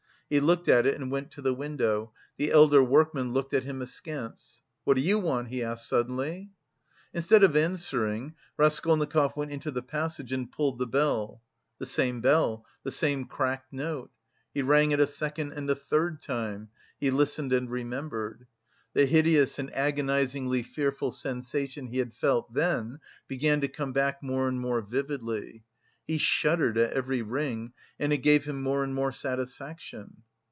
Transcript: He looked at it and went to the window. The elder workman looked at him askance. "What do you want?" he asked suddenly. Instead of answering Raskolnikov went into the passage and pulled the bell. The same bell, the same cracked note. He rang it a second and a third time; he listened and remembered. The hideous and agonisingly fearful sensation he had felt then began to come back more and more vividly. He shuddered at every ring and it gave him more and more satisfaction.